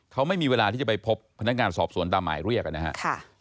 เขาไม่มีเวลาที่จะไปพบพนักงานสอบสวนตามหมายเรียกนะครับ